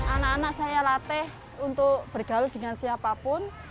anak anak saya latih untuk bergaul dengan siapapun